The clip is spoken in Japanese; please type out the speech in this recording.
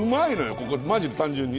ここマジで単純に。